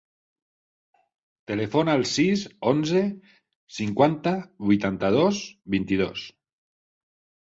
Telefona al sis, onze, cinquanta, vuitanta-dos, vint-i-dos.